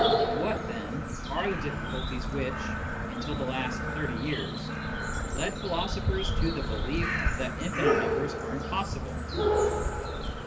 What, then, are the difficulties which, until the last thirty years, led philosophers to the belief that infinite numbers are impossible